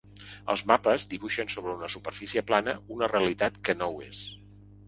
Els mapes dibuixen sobre una superfície plana una realitat que no ho és.